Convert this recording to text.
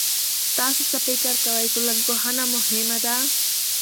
تاسو څه فکر کوئ، ټولنپوهنه مهمه ده؟